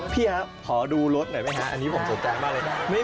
พี่ครับขอดูรถหน่อยไหมฮะอันนี้ผมตกใจมากเลยนะ